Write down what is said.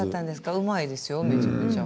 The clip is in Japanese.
うまいですよめちゃめちゃ。